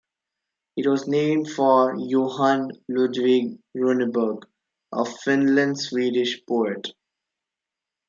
It was named for Johan Ludvig Runeberg, a Finland-Swedish poet.